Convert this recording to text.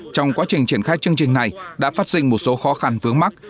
trong quá trình triển khai chương trình này đã phát sinh một số khó khăn vướng mắt